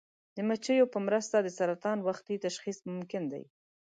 د مچیو په مرسته د سرطان وختي تشخیص ممکن دی.